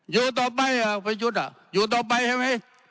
อยู่ต่อไปประยุทธ์อยู่ต่อไปใช่ไหม